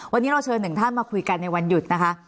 วันนี้เราเชิญหนึ่งท่านมาคุยกันในวันหยุดนะคะ